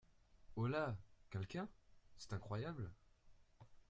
Holà !… quelqu’un !… c’est incroyable !